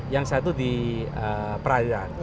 yang satu di pradran